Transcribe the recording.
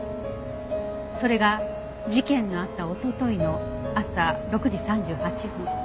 それが事件のあったおとといの朝６時３８分。